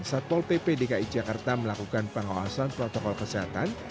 satpol pp dki jakarta melakukan pengawasan protokol kesehatan